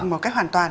một cách hoàn toàn